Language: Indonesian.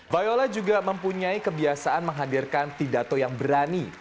viola juga mempunyai kebiasaan menghadirkan pidato yang berani